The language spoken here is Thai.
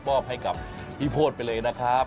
มอบให้กับพี่โพธิไปเลยนะครับ